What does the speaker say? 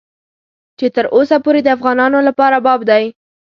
چې تر اوسه پورې د افغانانو لپاره باب دی.